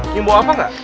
nyum bau apa nggak